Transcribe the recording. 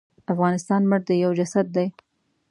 افغانستان مړ دی یو جسد دی.